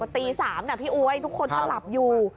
ตี๓นะพี่อ๊วยทุกคนก็หลับอยู่